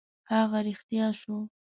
هغه رښتیا شوه.